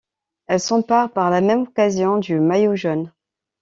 Elle s'empare par la même occasion du maillot jaune.